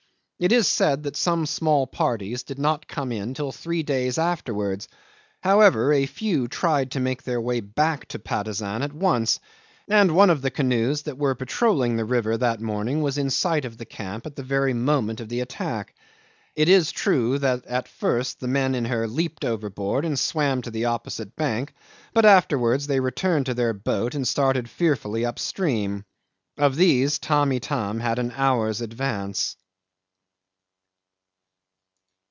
It is said that some small parties did not come in till three days afterwards. However, a few tried to make their way back to Patusan at once, and one of the canoes that were patrolling the river that morning was in sight of the camp at the very moment of the attack. It is true that at first the men in her leaped overboard and swam to the opposite bank, but afterwards they returned to their boat and started fearfully up stream. Of these Tamb' Itam had an hour's advance.